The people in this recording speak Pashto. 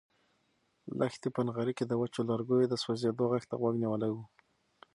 لښتې په نغري کې د وچو لرګیو د سوزېدو غږ ته غوږ نیولی و.